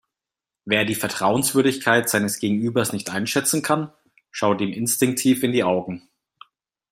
Wer die Vertrauenswürdigkeit seines Gegenübers nicht einschätzen kann, schaut ihm instinktiv in die Augen.